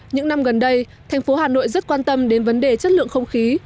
những năm gần đây thành phố hà nội rất quan tâm đến vấn đề chất lượng không khí